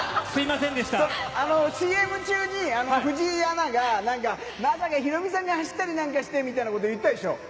ＣＭ中に藤井アナが、まさかヒロミさんが走ったりなんかしてみたいなこと言ったでしょ。